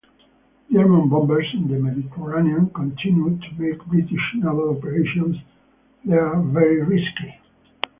German bombers in the Mediterranean continued to make British naval operations there very risky.